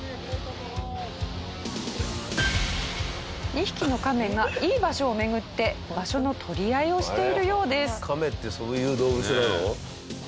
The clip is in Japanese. ２匹のカメがいい場所を巡って場所の取り合いをしているようです。